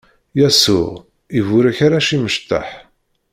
Yasuɛ iburek arrac imecṭaḥ.